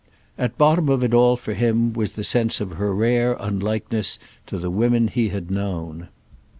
At bottom of it all for him was the sense of her rare unlikeness to the women he had known.